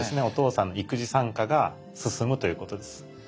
お父さんの育児参加が進むということです。